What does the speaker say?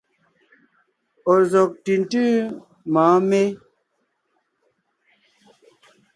Ɔ̀ zɔ́g ntʉ̀ntʉ́ mɔ̌ɔn mé?